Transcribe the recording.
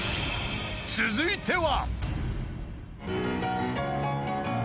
［続いては］